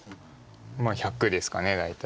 まあ１００ですか大体。